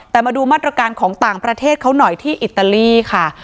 แต่มาดูมาตรการของต่างประเทศเขาหน่อยที่อิตาลีค่ะ